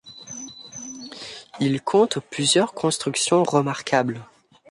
Il compte plusieurs constructions remarquables.